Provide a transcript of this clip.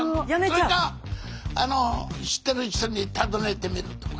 それか知ってる人に尋ねてみるとか。